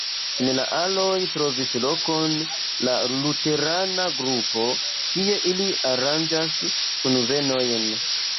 En la aloj trovis lokon la luterana grupo, kie ili aranĝas kunvenojn.